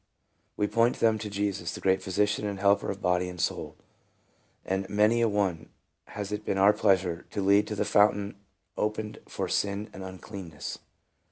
We point them to Jesus, the great Physician and Helper of body and soul, and many a one has it been our pleasure to lead to the fountain opened for sin and uncleanness.